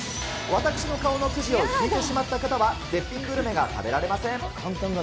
私の顔のくじを引いてしまった方は、絶品グルメが食べられません。